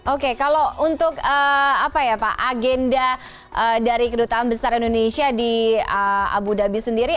oke kalau untuk agenda dari kedutaan besar indonesia di abu dhabi sendiri